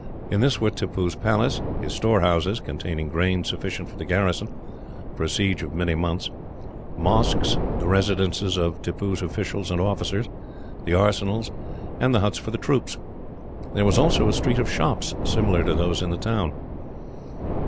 In this were Tippoo's palace, his storehouses containing grain sufficient for the garrison, for a siege of many months mosques, the residences of Tippoo's officials and officers, the arsenals, and the huts for the troops. There was also a street of shops, similar to those in the town.